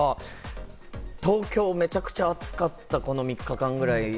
東京めちゃくちゃ暑かった、この３日間ぐらい。